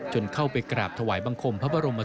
จนเข้าไปกราบถวายบังคมพระบรมศพได้สำเร็จ